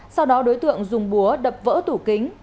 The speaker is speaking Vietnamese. sau đó đối tượng dùng búa đập vỡ tủ kính